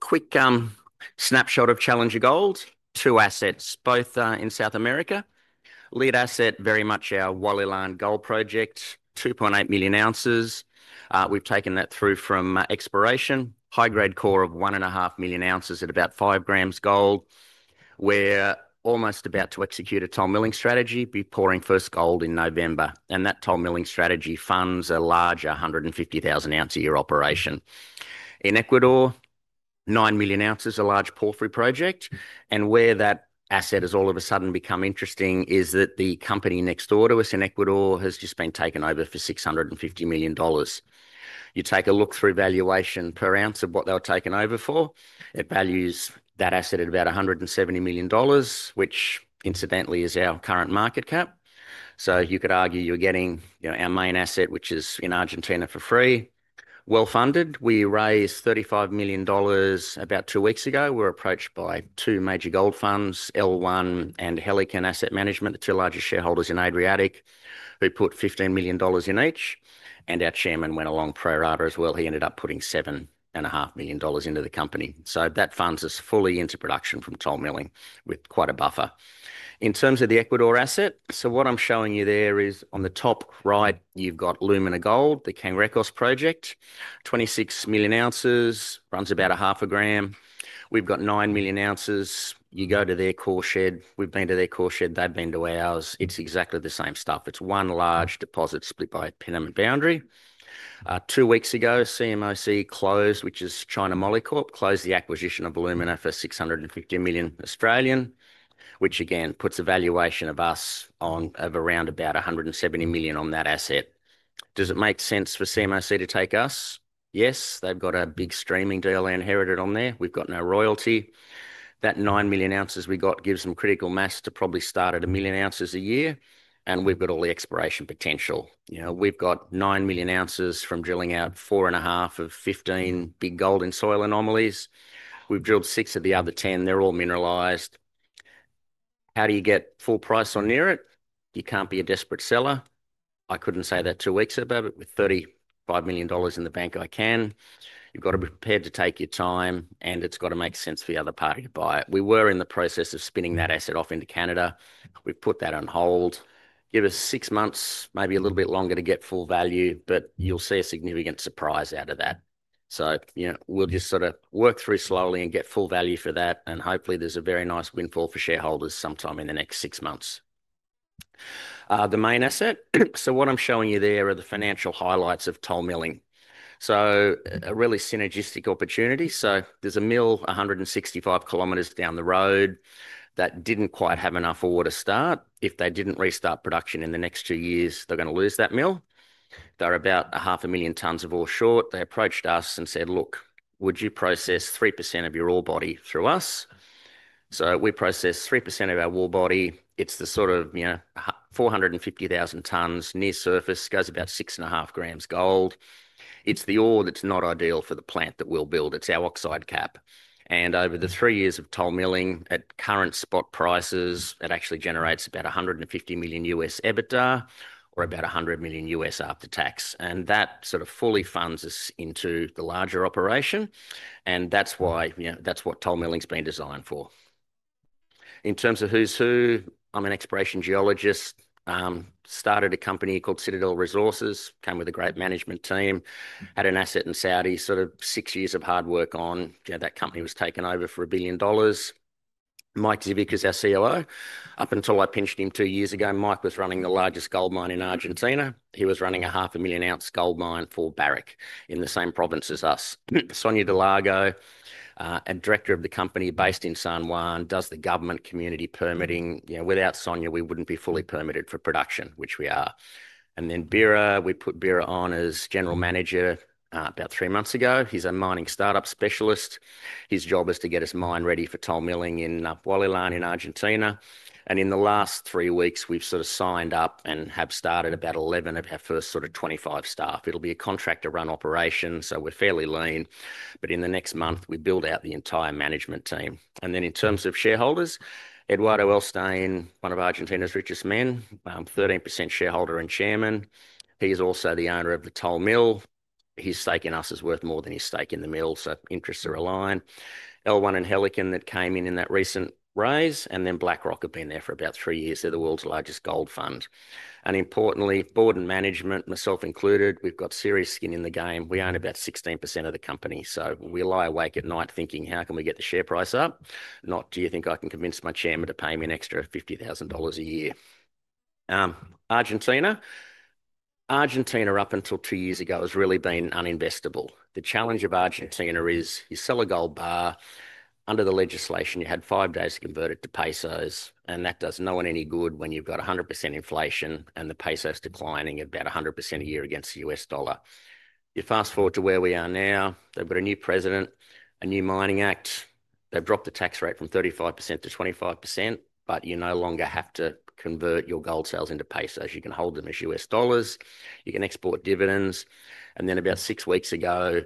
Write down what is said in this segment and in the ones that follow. Quick snapshot of Challenger Gold. Two assets, both in South America. Lead asset, very much our Hualilan Gold Project, 2.8 million oz. We've taken that through from exploration. High-grade core of one and a half million oz at about five g gold. We're almost about to execute a Toll Milling strategy, be pouring first gold in November. That Toll Milling strategy funds a larger 150,000 oz a year operation. In Ecuador, 9 million oz, a large porphyry project. Where that asset has all of a sudden become interesting is that the company next door to us in Ecuador has just been taken over for $650 million. You take a look through valuation per oz of what they'll take over for. It values that asset at about $170 million, which incidentally is our current market cap. You could argue you're getting, you know, our main asset, which is in Argentina, for free. Well funded. We raised $35 million about two weeks ago. We were approached by two major gold funds, L1 Capital and Helikon Investments, the two largest shareholders in Adriatic, who put $15 million in each. Our Chairman went along pro rata as well. He ended up putting $7.5 million into the company. That funds us fully into production from Toll Milling with quite a buffer. In terms of the Ecuador asset, what I'm showing you there is on the top right, you've got Lumina Gold, the Cangrejos Project. 26 million oz, runs about half a gram. We've got 9 million oz. You go to their core shed, we've been to their core shed, they've been to ours, it's exactly the same stuff. It's one large deposit split by a tenement boundary. Two weeks ago, CMOC, which is China Molybdenum Co., closed the acquisition of Lumina for $650 million Australian. Which again puts a valuation of us on of around about $170 million on that asset. Does it make sense for CMOC to take us? Yes, they've got a big streaming deal they inherited on there. We've got no royalty. That 9 million oz we got gives them critical mass to probably start at a million oz a year. We've got all the exploration potential. We've got 9 million oz from drilling out four and a half of 15 big gold-in-soil anomalies. We've drilled six of the other ten. They're all mineralized. How do you get full price on it? You can't be a desperate seller. I couldn't say that two weeks ago, but with $35 million in the bank, I can. You've got to be prepared to take your time, and it's got to make sense for the other party to buy it. We were in the process of spinning that asset off into Canada. We put that on hold. Give us six months, maybe a little bit longer to get full value, but you'll see a significant surprise out of that. We'll just sort of work through slowly and get full value for that. Hopefully there's a very nice windfall for shareholders sometime in the next six months. The main asset. What I'm showing you there are the financial highlights of Toll Milling. A really synergistic opportunity. There's a mill 165 km down the road that didn't quite have enough ore to start. If they didn't restart production in the next two years, they're going to lose that mill. They're about half a million tons of ore short. They approached us and said, look, would you process 3% of your ore body through us? We process 3% of our ore body. It's the sort of 450,000 tons near surface, goes about 6.5 g gold. It's the ore that's not ideal for the plant that we'll build. It's our oxide cap. Over the three years of Toll Milling at current spot prices, it actually generates about $150 million EBITDA or about $100 million after tax. That sort of fully funds us into the larger operation. That's why that's what Toll Milling's been designed for. In terms of who's who, I'm an exploration geologist. Started a company called Citadel Resources, came with a great management team, had an asset in Saudi, sort of six years of hard work on, you know, that company was taken over for a billion dollars. Mike Zivcic is our COO. Up until I pinched him two years ago, Mike was running the largest gold mine in Argentina. He was running a half a million oz gold mine for Barrick in the same province as us. Sonia Delgado, Director of the company based in San Juan, does the government community permitting. Without Sonia, we wouldn't be fully permitted for production, which we are. Bira, we put Bira on as General Manager about three months ago. He's a mining startup specialist. His job is to get his mine ready for Toll Milling in Waliyan in Argentina. In the last three weeks, we've signed up and have started about 11 of our first 25 staff. It'll be a contractor-run operation, so we're fairly lean. In the next month, we build out the entire management team. In terms of shareholders, Eduardo Elsztain, one of Argentina's richest men, 13% shareholder and Chairman. He's also the owner of the toll mill. His stake in us is worth more than his stake in the mill, so interests are aligned. L1 and Helikon that came in in that recent raise, and then BlackRock have been there for about three years. They're the world's largest gold fund. Importantly, board and management, myself included, we've got serious skin in the game. We own about 16% of the company, so we lie awake at night thinking, how can we get the share price up? Not, do you think I can convince my Chairman to pay me an extra $50,000 a year? Argentina, Argentina up until two years ago has really been uninvestable. The challenge of Argentina is you sell a gold bar, under the legislation you had five days to convert it to pesos, and that does no one any good when you've got 100% inflation and the peso's declining about 100% a year against the U.S. dollar. You fast forward to where we are now, they've got a new president, a new mining act. They've dropped the tax rate from 35% to 25%, but you no longer have to convert your gold sales into pesos. You can hold them as U.S. dollars. You can export dividends. About six weeks ago,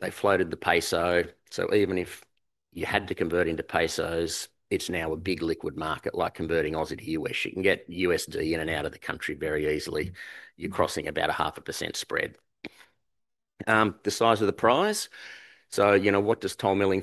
they floated the peso. Even if you had to convert into pesos, it's now a big liquid market, like converting Aussie to U.S. You can get USD in and out of the country very easily. You're crossing about a 0.5% spread. The size of the prize. What does Toll Milling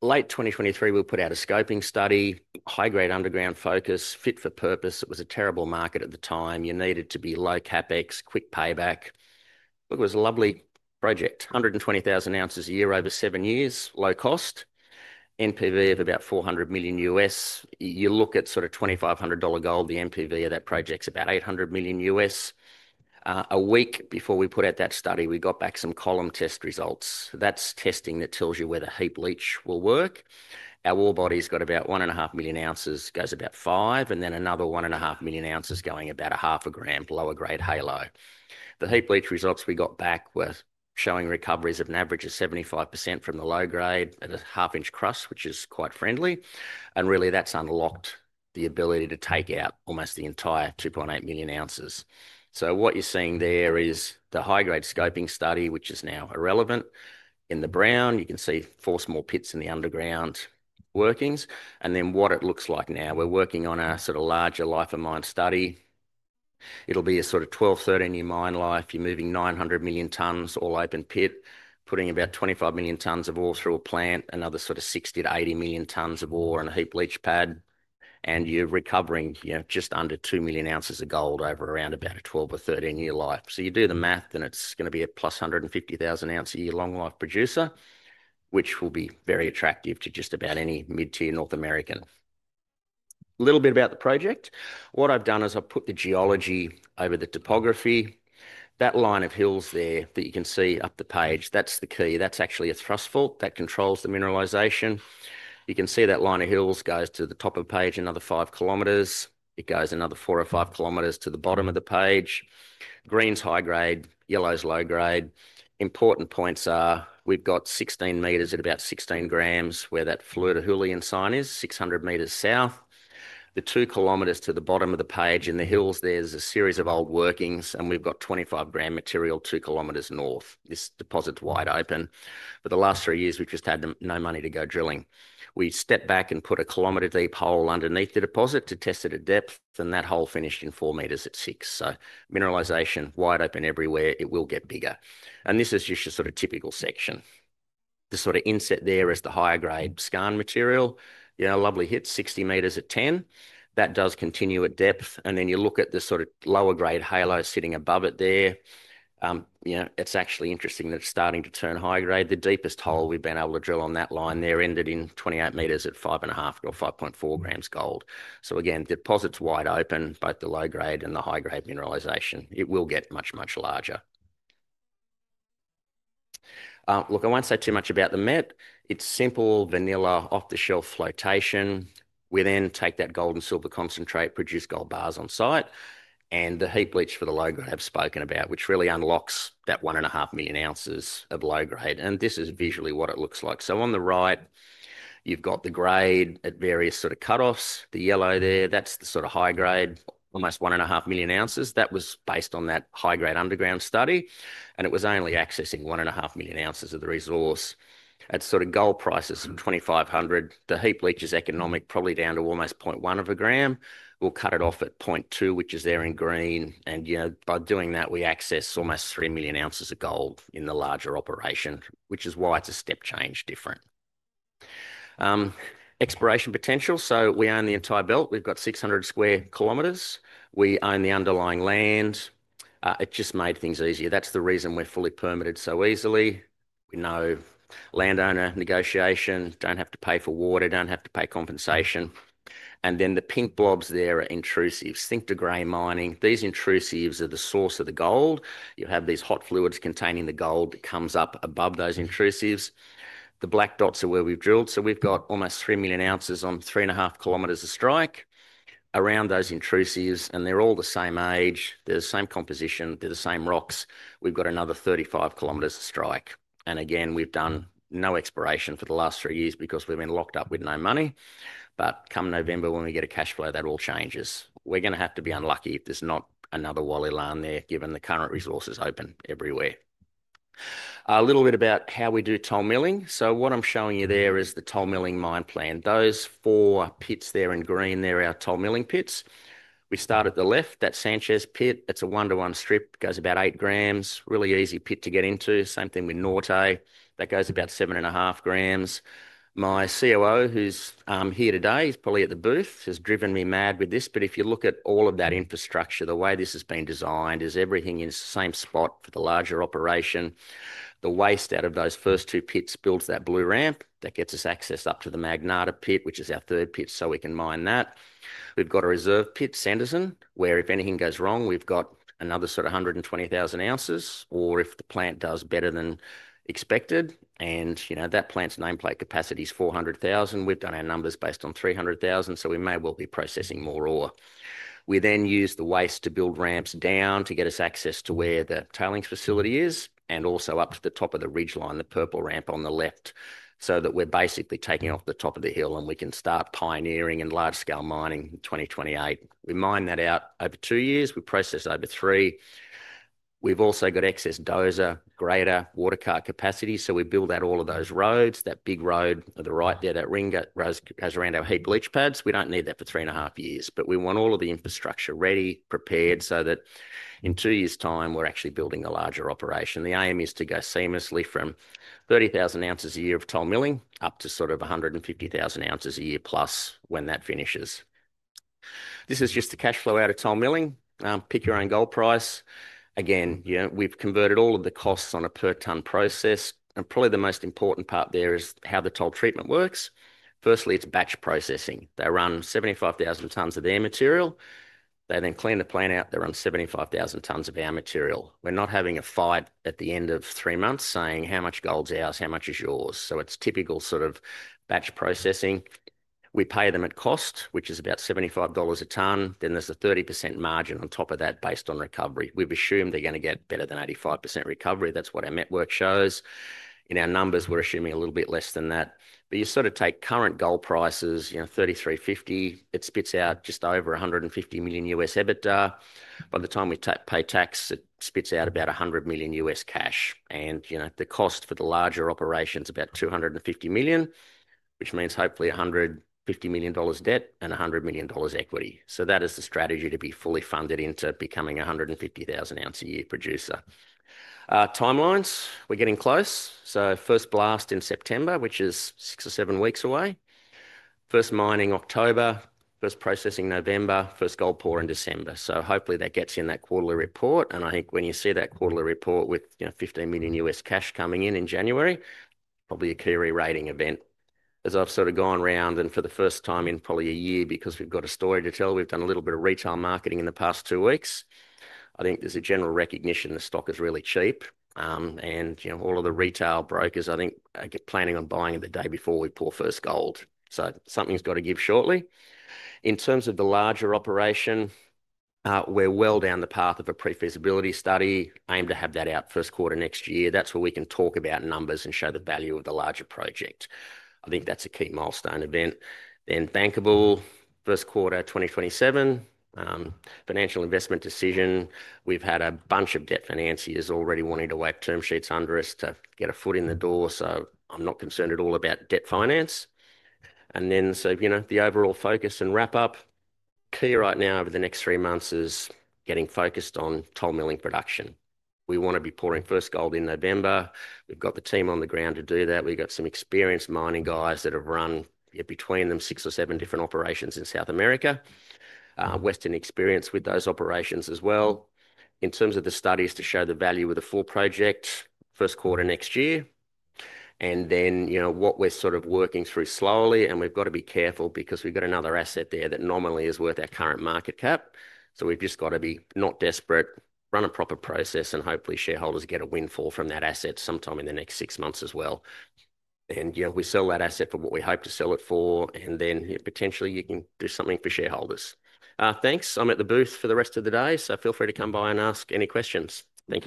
fund? Late 2023, we put out a scoping study, high-grade underground focus, fit for purpose. It was a terrible market at the time. You needed to be low CapEx, quick payback. It was a lovely project. 120,000 oz a year over seven years, low cost. NPV of about $400 million U.S. You look at sort of $2,500 gold, the NPV of that project's about $800 million U.S. A week before we put out that study, we got back some column test results. That's testing that tells you whether Heap Leach will work. Our ore body's got about 1.5 million oz, goes about five, and then another 1.5 million oz going about a half a gram below a grade halo. The Heap Leach results we got back were showing recoveries of an average of 75% from the low grade at a half inch cross, which is quite friendly. Really, that's unlocked the ability to take out almost the entire 2.8 million oz. What you're seeing there is the high-grade scoping study, which is now irrelevant. In the brown, you can see four small pits in the underground workings. What it looks like now, we're working on a sort of larger lifeline study. It'll be a sort of 12-13 year mine life. You're moving 900 million tons all open pit, putting about 25 million tons of ore through a plant, another sort of 60 million tons-80 million tons of ore in a Heap Leach pad. You're recovering just under 2 million oz of gold over around about a 12 or 13 year life. You do the math and it's going to be a plus 150,000 oz a year long life producer, which will be very attractive to just about any mid-tier North American. A little bit about the project. What I've done is I've put the geology over the topography. That line of hills there that you can see up the page, that's the key. That's actually a thrust fault that controls the mineralization. You can see that line of hills goes to the top of the page, another five km. It goes another four or five km to the bottom of the page. Green's high grade, yellow's low grade. Important points are we've got 16 m at about 16 g where that Hualilan sign is, 600 m south. The two km to the bottom of the page in the hills, there's a series of old workings and we've got 25 gram material two km north. This deposit's wide open. For the last three years, we've just had no money to go drilling. We stepped back and put a kilometer-deep hole underneath the deposit to test it at depth and that hole finished in four m at six. Mineralization wide open everywhere. It will get bigger. This is just a sort of typical section. The sort of inset there is the higher grade scan material. Lovely hit, 60 m at 10 g. That does continue at depth. You look at the sort of lower grade halo sitting above it there. It's actually interesting that it's starting to turn high grade. The deepest hole we've been able to drill on that line there ended in 28 m at 5.5 g or 5.4 g gold. Again, the deposit's wide open, both the low grade and the high grade mineralization. It will get much, much larger. I won't say too much about the met. It's simple, vanilla, off-the-shelf flotation. We then take that gold and silver concentrate, produce gold bars on site. The Heap Leach for the low grade I've spoken about really unlocks that 1.5 million oz of low grade. This is visually what it looks like. On the right, you've got the grade at various sort of cutoffs. The yellow there, that's the sort of high grade, almost 1.5 million oz. That was based on that high grade underground study. It was only accessing 1.5 million oz of the resource. At gold prices of $2,500, the Heap Leach is economic, probably down to almost 0.1 of a gram. We'll cut it off at 0.2 g, which is there in green. By doing that, we access almost 3 million oz of gold in the larger operation, which is why it's a step change different. Exploration potential: we own the entire belt. We've got 600 sq km. We own the underlying land. It just made things easier. That's the reason we're fully permitted so easily. We know landowner negotiation, don't have to pay for water, don't have to pay compensation. The pink blobs there are intrusives, think the gray mining. These intrusives are the source of the gold. You have these hot fluids containing the gold that comes up above those intrusives. The black dots are where we've drilled. We've got almost 3 million oz on 3.5 km of strike around those intrusives. They're all the same age. They're the same composition. They're the same rocks. We've got another 35 km of strike. We've done no exploration for the last three years because we've been locked up with no money. Come November, when we get a cash flow, that all changes. We're going to have to be unlucky if there's not another Waliyan there, given the current resources open everywhere. A little bit about how we do Toll Milling. What I'm showing you there is the Toll Milling mine plan. Those four pits there in green, they're our Toll Milling pits. We start at the left, that Sanchez pit. That's a one-to-one strip, goes about 8 g. Really easy pit to get into. Same thing with Norte, that goes about 7.5 g. My Chief Operating Officer, who's here today, is probably at the booth, has driven me mad with this. If you look at all of that infrastructure, the way this has been designed is everything in the same spot for the larger operation. The waste out of those first two pits builds that blue ramp that gets us access up to the Magnata pit, which is our third pit, so we can mine that. We've got a reserve pit, Sanderson, where if anything goes wrong, we've got another sort of 120,000 oz, or if the plant does better than expected, and you know, that plant's nameplate capacity is 400,000 oz. We've done our numbers based on 300,000 oz, so we may well be processing more ore. We then use the waste to build ramps down to get us access to where the tailings facility is, and also up to the top of the ridge line, the purple ramp on the left, so that we're basically taking off the top of the hill and we can start pioneering in large-scale mining in 2028. We mine that out over two years, we process over three. We've also got excess dozer, grader, water cart capacity, so we build out all of those roads, that big road to the right there, that ring that goes around our Heap Leach pads. We don't need that for three and a half years, but we want all of the infrastructure ready, prepared, so that in two years' time, we're actually building a larger operation. The aim is to go seamlessly from 30,000 oz a year of Toll Milling up to sort of 150,000 oz a year plus when that finishes. This is just the cash flow out of Toll Milling. Pick your own gold price. Again, you know, we've converted all of the costs on a per-ton process. Probably the most important part there is how the toll treatment works. Firstly, it's batch processing. They run 75,000 tons of their material. They then clean the plant out, they run 75,000 tons of our material. We're not having a fight at the end of three months saying how much gold's ours, how much is yours. It's typical sort of batch processing. We pay them at cost, which is about $75 a ton. Then there's a 30% margin on top of that based on recovery. We've assumed they're going to get better than 85% recovery. That's what our network shows. In our numbers, we're assuming a little bit less than that. You sort of take current gold prices, you know, $3,350. It spits out just over $150 million U.S. EBITDA. By the time we pay tax, it spits out about $100 million U.S. cash. The cost for the larger operation is about $250 million, which means hopefully $150 million debt and $100 million equity. That is the strategy to be fully funded into becoming a 150,000 oz a year producer. Timelines, we're getting close. First blast in September, which is six or seven weeks away. First mining October, first processing November, first gold pour in December. Hopefully that gets you in that quarterly report. I think when you see that quarterly report with, you know, $15 million U.S. cash coming in in January, probably a curie rating event. As I've sort of gone around and for the first time in probably a year, because we've got a story to tell, we've done a little bit of retail marketing in the past two weeks. I think there's a general recognition the stock is really cheap, and you know, all of the retail brokers, I think, are planning on buying the day before we pour first gold. Something's got to give shortly. In terms of the larger operation, we're well down the path of a Pre-Feasibility Study. Aim to have that out first quarter next year. That's where we can talk about numbers and show the value of the larger project. I think that's a key milestone event. Bankable first quarter 2027. Financial investment decision. We've had a bunch of debt financiers already wanting to wave term sheets under us to get a foot in the door. I'm not concerned at all about debt finance. The overall focus and wrap up: key right now over the next three months is getting focused on Toll Milling production. We want to be pouring first gold in November. We've got the team on the ground to do that. We've got some experienced mining guys that have run, you know, between them six or seven different operations in South America. Western experience with those operations as well. In terms of the studies to show the value of the full project, first quarter next year. What we're sort of working through slowly, and we've got to be careful because we've got another asset there that normally is worth our current market cap. We've just got to be not desperate, run a proper process, and hopefully shareholders get a windfall from that asset sometime in the next six months as well. If we sell that asset for what we hope to sell it for, then potentially you can do something for shareholders. Thanks. I'm at the booth for the rest of the day, so feel free to come by and ask any questions. Thank you.